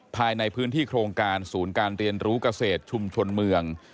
ภายในพื้นที่โครงการศูนย์การเรียนรู้เกษตรชุมชนเมือง